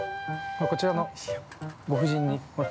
こちらのご婦人に。